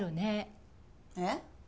えっ？